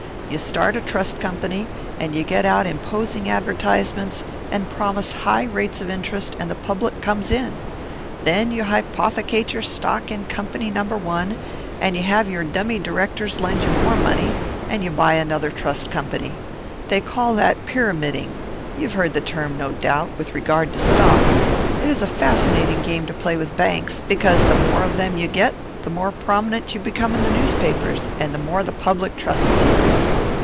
You start a trust company, and you get out imposing advertisements, and promise high rates of interest, and the public comes in. Then you hypothecate your stock in company number one, and you have your dummy directors lend you more money, and you buy another trust company. They call that pyramiding you have heard the term, no doubt, with regard to stocks; it is a fascinating game to play with banks, because the more of them you get, the more prominent you become in the newspapers, and the more the public trusts you."